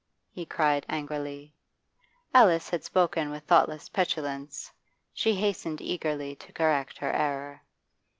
he cried angrily. Alice had spoken with thoughtless petulance. She hastened eagerly to correct her error.